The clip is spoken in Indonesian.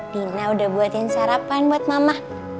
dina udah buatin sarapan buat mama